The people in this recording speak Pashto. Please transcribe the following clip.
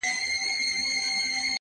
• نه د ډیک غریب زړګی ورنه صبرېږي,